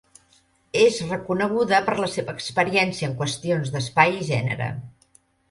És reconeguda per la seva experiència en qüestions d'espai i gènere.